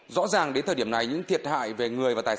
rõ ràng đến thời điểm này những thiệt hại về người và tài sản